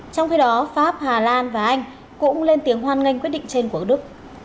trong khi đó pháp hà lan và anh cũng lên tiếng hoan nghênh quyết định trên của đức